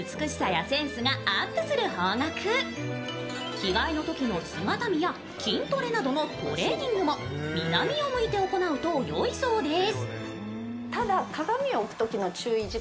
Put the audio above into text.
着替えのときの姿見やトレーニングも南を向いて行うとよいそうです。